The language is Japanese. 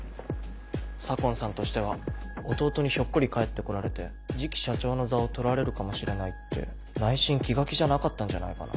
左紺さんとしては弟にひょっこり帰って来られて次期社長の座を取られるかもしれないって内心気が気じゃなかったんじゃないかな。